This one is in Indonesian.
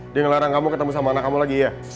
dia ngelarang kamu ketemu sama anak kamu lagi ya